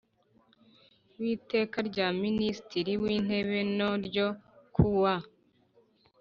w Iteka rya Minisitiri w Intebe no ryo ku wa